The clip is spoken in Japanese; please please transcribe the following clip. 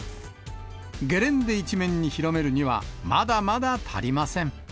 ゲレンデ一面に広めるには、まだまだ足りません。